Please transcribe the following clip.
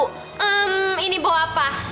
hmm ini bau apa